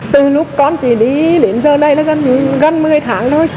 từ lúc con chỉ đi đến giờ đây là gần một mươi tháng thôi